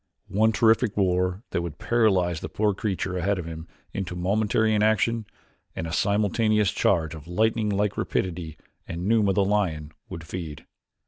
One terrific roar that would paralyze the poor creature ahead of him into momentary inaction, and a simultaneous charge of lightning like rapidity and Numa, the lion, would feed.